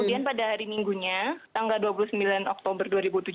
kemudian pada hari minggunya tanggal dua puluh sembilan oktober dua ribu tujuh belas